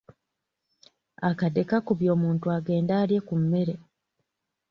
Akadde kakubye omuntu agende alye ku mmere.